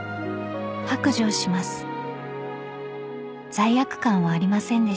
罪悪感はありませんでした］